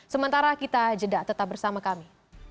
sementara kita jeda tetap bersama kami